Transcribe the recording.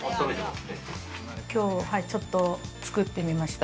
今日ちょっと作ってみました。